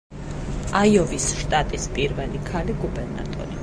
აიოვის შტატის პირველი ქალი გუბერნატორი.